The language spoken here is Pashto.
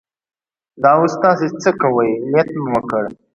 دا اوس تاسې څه کوئ؟ نیت مې وکړ.